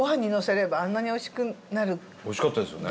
おいしかったですよね。